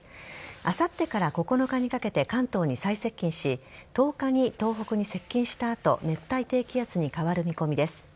あさってから９日にかけて関東に最接近し１０日に東北に接近した後熱帯低気圧に変わる見込みです。